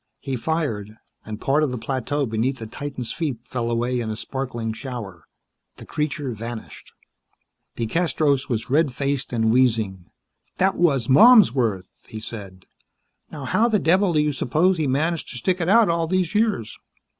He fired, and part of the plateau beneath the titan's feet fell away in a sparkling shower. The creature vanished. DeCastros was red faced and wheezing. "That was Malmsworth," he said. "Now how the devil do you suppose he managed to stick it out all these years!"